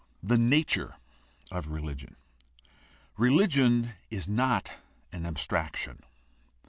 THE NATURE OF RELIGION a) Religion not an abstraction.